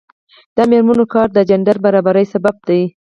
د میرمنو کار د جنډر برابري سبب دی.